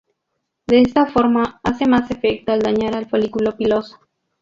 De esta forma hace más efecto al dañar el folículo piloso.